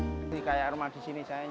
untuk memperoleh kemampuan di dalam keadaan